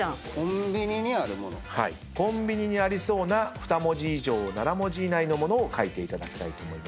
コンビニにありそうな２文字以上７文字以内のものを書いていただきたいと思います。